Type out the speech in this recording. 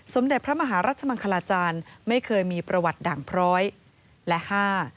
สมเด็จพระมหารัชมังคลาจารย์ไม่เคยมีประวัติด่างพร้อยและห้า